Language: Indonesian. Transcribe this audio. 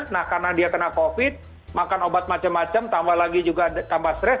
nah karena dia kena covid makan obat macam macam tambah lagi juga tambah stres